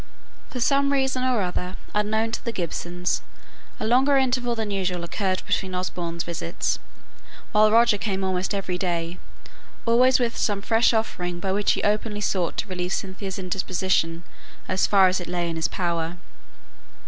For some reason or other, unknown to the Gibsons, a longer interval than usual occurred between Osborne's visits, while Roger came almost every day, always with some fresh offering by which he openly sought to relieve Cynthia's indisposition as far as it lay in his power.